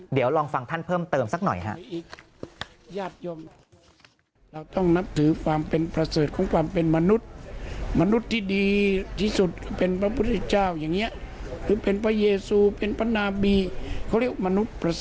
เดี๋ยวลองฟังท่านเพิ่มเติมสักหน่อยครับ